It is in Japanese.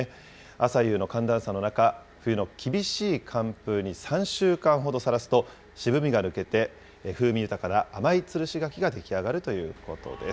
朝夕の寒暖差の中、冬の厳しい寒風に３週間ほどさらすと、渋みが抜けて、風味豊かな甘いつるし柿が出来上がるということです。